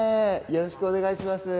よろしくお願いします。